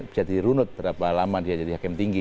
bisa dirunut berapa lama dia jadi hakim tinggi